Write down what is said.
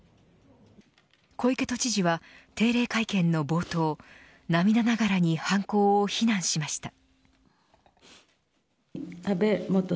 小池都知事は定例会見の冒頭涙ながらに犯行を非難しました。